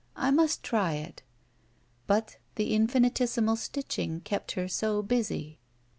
I must try it." But the infinitesimal stitching kept her so busy.